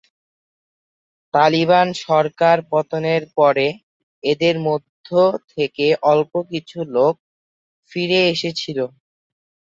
তালিবান সরকার পতনের পরে এদের মধ্য থেকে অল্প কিছু লোক ফিরে এসেছিল।